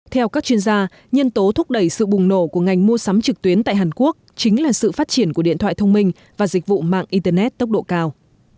theo các chuyên gia nhân tố thúc đẩy sự bùng nổ của ngành mua sắm trực tuyến tại hàn quốc chính là sự phát triển của điện thoại thông minh và dịch vụ mạng internet tốc độ cao